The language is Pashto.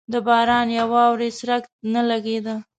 د باران یا واورې څرک نه لګېده.